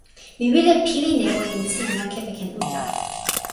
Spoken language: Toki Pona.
mi wile pilin e olin sina kepeken uta.